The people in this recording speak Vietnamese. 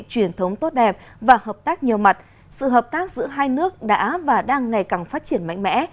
truyền thống tốt đẹp và hợp tác nhiều mặt sự hợp tác giữa hai nước đã và đang ngày càng phát triển mạnh mẽ